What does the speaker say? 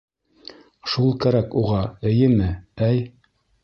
Шул кәрәк уға, эйеме, әй?..